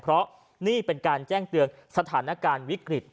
เพราะนี่เป็นการแจ้งเตือนสถานการณ์วิกฤต